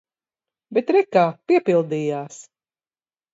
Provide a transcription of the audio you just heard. Bet re kā – piepildījās.